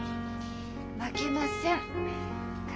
「負けません！」か。